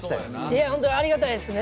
いやホントにありがたいですね。